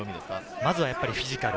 まずはフィジカル。